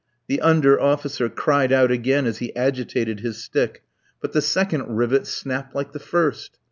The under officer cried out again as he agitated his stick, but the second rivet snapped like the first.